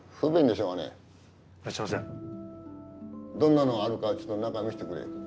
どんなのがあるかちょっと中見せてくれ。